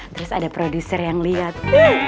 terus ada produser yang lihat